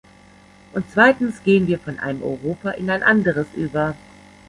Und zweitens gehen wir von einem Europa in ein anderes über.